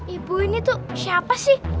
ibu ini tuh siapa sih